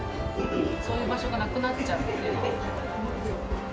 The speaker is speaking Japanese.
そういう場所がなくなっちゃうっていうのは。